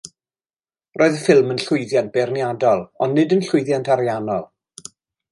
Roedd y ffilm yn llwyddiant beirniadol ond nid yn llwyddiant ariannol.